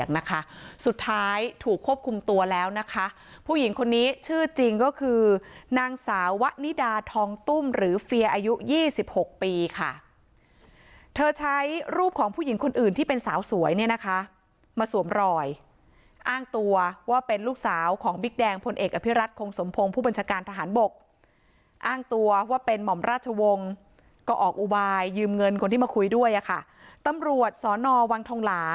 นะคะสุดท้ายถูกควบคุมตัวแล้วนะคะผู้หญิงคนนี้ชื่อจริงก็คือนางสาวะนิดาทองตุ้มหรือเฟียอายุ๒๖ปีค่ะเธอใช้รูปของผู้หญิงคนอื่นที่เป็นสาวสวยเนี่ยนะคะมาสวมรอยอ้างตัวว่าเป็นลูกสาวของบิ๊กแดงพลเอกอภิรัตคงสมพงศ์ผู้บัญชาการทหารบกอ้างตัวว่าเป็นหม่อมราชวงศ์ก็ออกอุบายยืมเงินคนที่มาคุยด้วยอ่ะค่ะตำรวจสอนอวังทองหลา